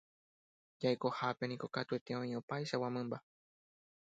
Jaikohápe niko katuete oĩ opaichagua mymba.